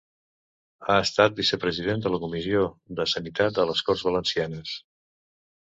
Ha estat vicepresident de la Comissió de Sanitat de les Corts Valencianes.